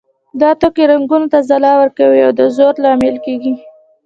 دا توکي رنګونو ته ځلا ورکوي او د زرو لامل کیږي.